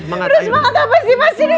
berapa sih mas ini